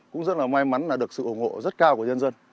cũng rất là may mắn là được sự ủng hộ rất cao của nhân dân